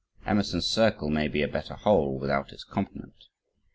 Emerson's Circle may be a better whole, without its complement.